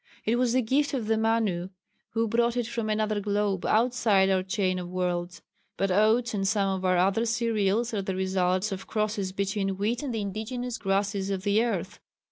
It was the gift of the Manu who brought it from another globe outside our chain of worlds. But oats and some of our other cereals are the results of crosses between wheat and the indigenous grasses of the earth.